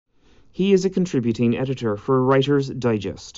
He is a contributing editor for "Writer's Digest".